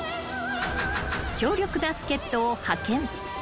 ［強力な助っ人を派遣］